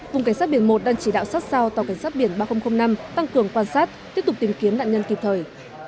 vùng cảnh sát biển một đang chỉ đạo sát sao tàu cảnh sát biển ba nghìn năm tăng cường quan sát tiếp tục tìm kiếm nạn nhân kịp thời